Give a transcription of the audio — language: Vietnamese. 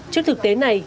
trước thực tế này